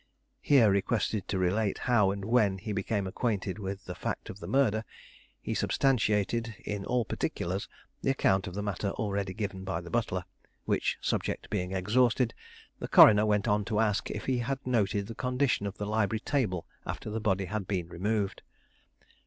Here requested to relate how and when he became acquainted with the fact of the murder, he substantiated, in all particulars, the account of the matter already given by the butler; which subject being exhausted, the coroner went on to ask if he had noted the condition of the library table after the body had been removed.